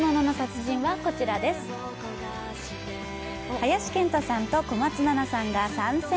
林遣都さんと小松菜奈さんが参戦！